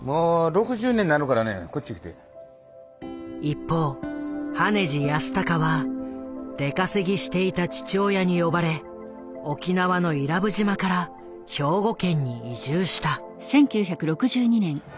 一方羽地靖隆は出稼ぎしていた父親に呼ばれ沖縄の伊良部島から兵庫県に移住した。